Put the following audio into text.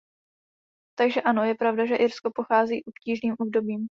Takže ano, je pravda, že Irsko prochází obtížným obdobím.